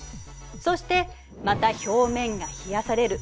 そしてまた表面が冷やされる。